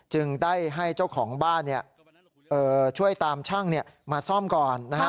จึงได้ให้เจ้าของบ้านช่วยตามช่างมาซ่อมก่อนนะฮะ